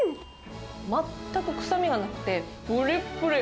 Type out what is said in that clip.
全く臭みがなくて、ぷりっぷり。